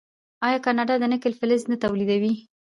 آیا کاناډا د نکل فلز نه تولیدوي؟